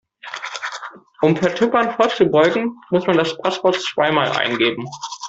Um Vertippern vorzubeugen, muss man das Passwort zweimal eingeben.